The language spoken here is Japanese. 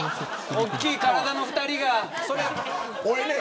大きい体の２人が。